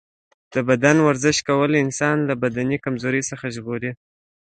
د بدن ورزش کول انسان له بدني کمزورۍ څخه ژغوري.